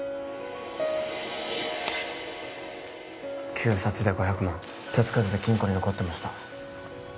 旧札で５００万手つかずで金庫に残ってました